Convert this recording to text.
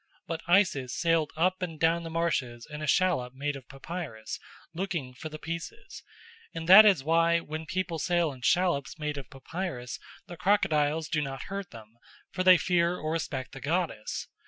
But Isis sailed up and down the marshes in a shallop made of papyrus, looking for the pieces; and that is why when people sail in shallops made of papyrus, the crocodiles do not hurt them, for they fear or respect the goddess.